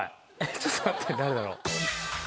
ちょっと待って誰だろう。